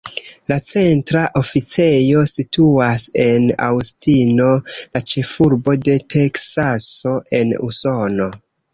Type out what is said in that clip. La centra oficejo situas en Aŭstino, la ĉefurbo de Teksaso en Usono.